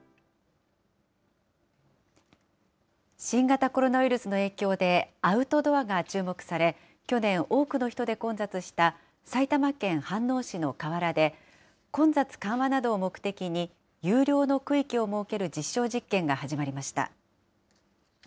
新型コロナウイルスの影響で、アウトドアが注目され、去年、多くの人で混雑した埼玉県飯能市の河原で、混雑緩和などを目的に、有料の区域を設ける実証実験が始まりました。